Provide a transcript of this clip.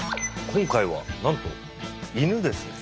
今回はなんと「イヌ」ですね。